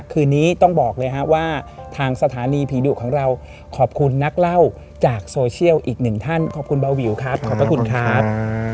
คืนนี้ต้องบอกเลยฮะว่าทางสถานีผีดุของเราขอบคุณนักเล่าจากโซเชียลอีกหนึ่งท่านขอบคุณเบาวิวครับขอบพระคุณครับ